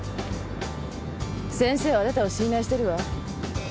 先生はあなたを信頼してるわ。